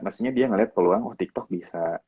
mestinya dia ngeliat peluang oh tiktok bisa